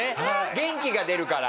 元気が出るから。